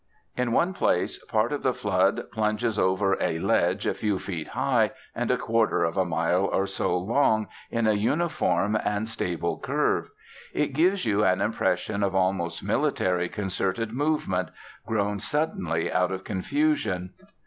In one place part of the flood plunges over a ledge a few feet high and a quarter of a mile or so long, in a uniform and stable curve. It gives an impression of almost military concerted movement, grown suddenly out of confusion.